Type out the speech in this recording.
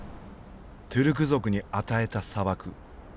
「トゥルク族に与えた砂漠」という意味。